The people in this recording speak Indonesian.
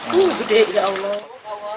duh gede ya allah